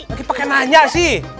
lagi pakai nanya sih